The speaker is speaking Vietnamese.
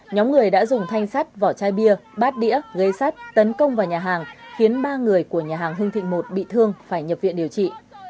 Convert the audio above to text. nhóm người đã dùng thanh sắt vỏ chai bia bát đĩa gây sắt tấn công vào nhà hàng khiến ba người của nhà hàng hưng thịnh một bị thương phải nhập viện điều trị